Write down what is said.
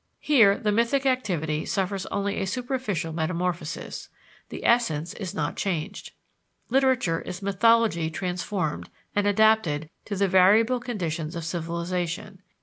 Here, the mythic activity suffers only a superficial metamorphosis the essence is not changed. Literature is mythology transformed and adapted to the variable conditions of civilization.